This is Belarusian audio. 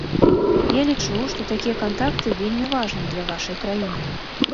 Я лічу, што такія кантакты вельмі важныя для вашай краіны.